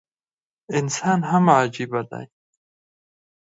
انسان هم عجيبه دی